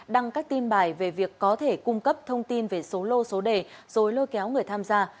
đăng các tin bài về việc có thể cung cấp thông tin về số lô số đề rồi lôi kéo người tham gia